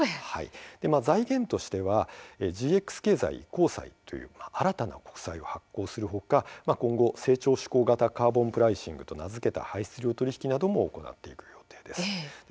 財源としてはＧＸ経済移行債という新たな国債を発行する他今後成長指向型カーボンプライシングと名付けた排出量取引なども行う予定です。